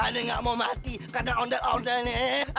aduh nggak mau mati karena ondel ondel nek